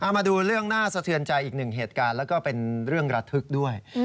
มาดูเรื่องน่าสะเทือนใจอีกหนึ่งเหตุการณ์แล้วก็เป็นเรื่องระทึกด้วย